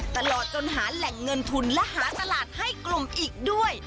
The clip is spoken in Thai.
ตลอดจนหาแหล่งเงินทุนและหาตลาดให้กลุ่มอีกด้วย